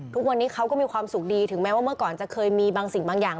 ทุกวันนี้เขาก็มีความสุขดีถึงแม้ว่าเมื่อก่อนจะเคยมีบางสิ่งบางอย่าง